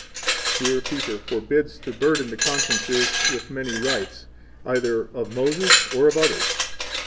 Here Peter forbids to burden the consciences with many rites, 29 either of Moses or of others.